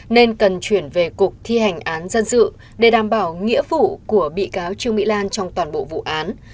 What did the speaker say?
nên cần chuyển về cục thi hành án dân sự để đảm bảo nghĩa vụ của bị cáo trương mỹ lan trong toàn bộ vụ án